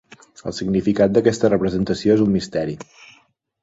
El significat d'aquesta representació és un misteri.